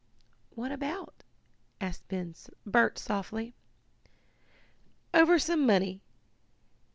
"What about?" asked Bert softly. "Over some money.